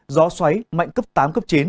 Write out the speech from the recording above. gió xoáy mạnh cấp tám cấp chín